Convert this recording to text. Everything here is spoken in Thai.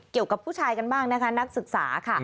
เกี่ยวกับผู้ชายกันบ้างนะคะนักศึกษา